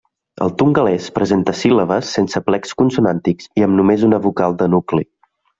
El tongalès presenta síl·labes sense aplecs consonàntics i amb només una vocal de nucli.